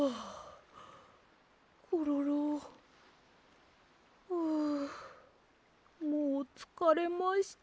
コロロ？はあもうつかれました。